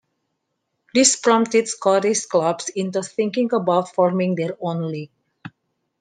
This prompted Scottish clubs into thinking about forming their own league.